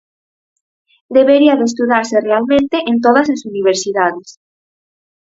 Debería de estudarse realmente en todas as universidades.